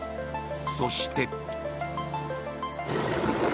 そして。